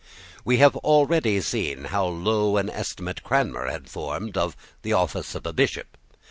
We have already seen how low an estimate Cranmer had formed of the office of a Bishop.